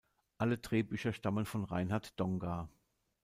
Alle Drehbücher stammen von Reinhard Donga.